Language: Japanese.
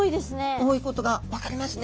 多いことが分かりますね。